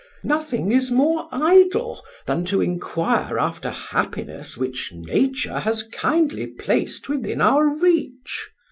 Nothing is more idle than to inquire after happiness which Nature has kindly placed within our reach.